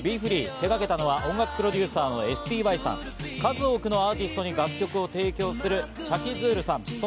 手がけたのは音楽プロデューサーのｓｔｙさん、数多くのアーティストに楽曲を提供するＣｈａｋｉＺｕｌｕさん。